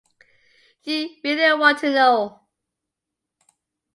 You really want to know?